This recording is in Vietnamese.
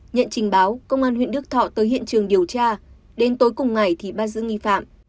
nhận trình báo công an huyện đức thọ tới hiện trường điều tra đến tối cùng ngày thì bắt giữ nghi phạm